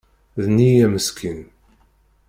D nniya meskin.